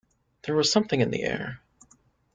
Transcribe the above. There was something in the air.